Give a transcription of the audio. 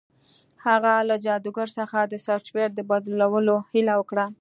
هغه له جادوګر څخه د سافټویر د بدلولو هیله وکړه